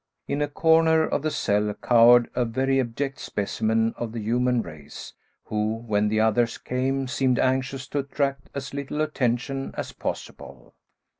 In a corner of the cell cowered a very abject specimen of the human race, who, when the others came, seemed anxious to attract as little attention as possible.